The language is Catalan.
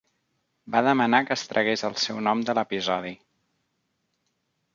Va demanar que es tragués el seu nom de l'episodi.